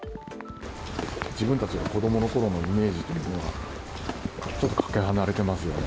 自分たちが子どものころのイメージとは、ちょっとかけ離れてますよね。